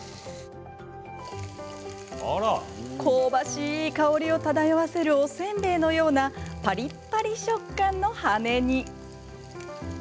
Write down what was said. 香ばしい香りを漂わせるおせんべいのようなパリッパリ食感の羽根に。